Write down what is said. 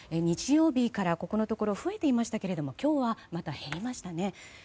日曜日からここのところ増えていましたが今日はまた、減りましたね。